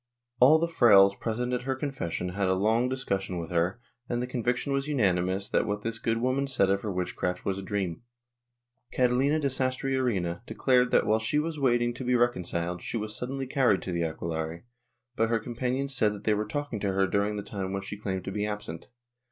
All the frailes present at her confession had a long discussion with her and the conviction was unanimous that what this good woman said of her witchcraft was a dream. Catalina de Sastrearena declared that, while she was waiting to be reconciled, she was suddenly carried to the aquelarre, but her companions said that they were talking to her during the time when she claimed to be absent.